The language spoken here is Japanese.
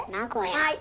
はい。